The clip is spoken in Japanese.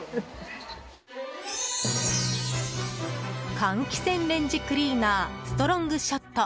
換気扇レンジクリーナーストロングショット。